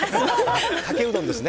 かけうどんですね。